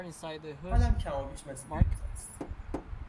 حالم کمابیش مثل دیروز است.